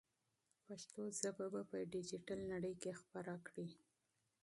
پښتو ژبه په ډیجیټل نړۍ کې خپره کړئ.